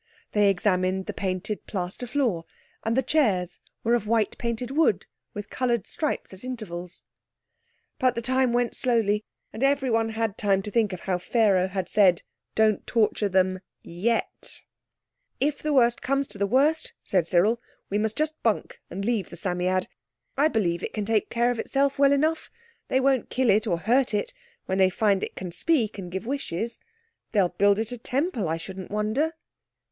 They examined the painted plaster floor, and the chairs were of white painted wood with coloured stripes at intervals. But the time went slowly, and everyone had time to think of how Pharaoh had said, "Don't torture them—yet." "If the worst comes to the worst," said Cyril, "we must just bunk, and leave the Psammead. I believe it can take care of itself well enough. They won't kill it or hurt it when they find it can speak and give wishes. They'll build it a temple, I shouldn't wonder."